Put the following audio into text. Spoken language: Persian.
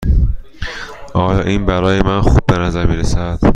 آیا این برای من خوب به نظر می رسد؟